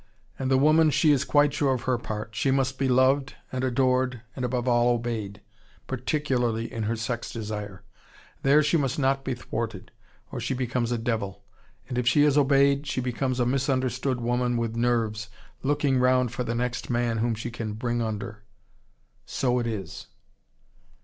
And the woman, she is quite sure of her part. She must be loved and adored, and above all, obeyed, particularly in her sex desire. There she must not be thwarted, or she becomes a devil. And if she is obeyed, she becomes a misunderstood woman with nerves, looking round for the next man whom she can bring under. So it is."